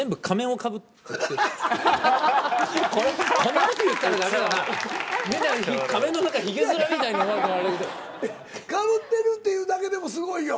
かぶってるというだけでもすごいよ。